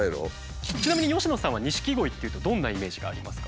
ちなみに佳乃さんは錦鯉っていうとどんなイメージがありますか？